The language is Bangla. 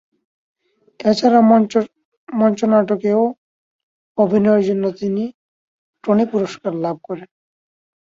এছাড়া মঞ্চনাটকে অভিনয়ের জন্য তিনি টনি পুরস্কার লাভ করেন।